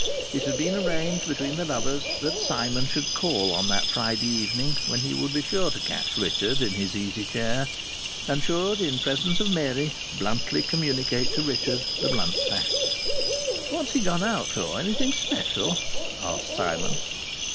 It had been arranged between the lovers that Simon should call on that Friday evening, when he would be sure to catch Richard in his easy chair, and should, in presence of Mary, bluntly communicate to Richard the blunt fact. "What's he gone out for? Anything special?" asked Simon.